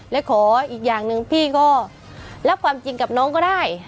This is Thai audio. และขออีกอย่างหนึ่งพี่ก็รับความจริงกับน้องก็ได้